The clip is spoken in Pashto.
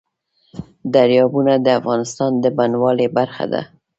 دریابونه د افغانستان د بڼوالۍ برخه ده.